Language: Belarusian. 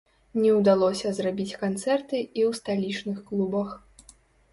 Не ўдалося зрабіць канцэрты і ў сталічных клубах.